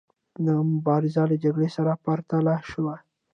دا مبارزه له جګړې سره پرتله شوه.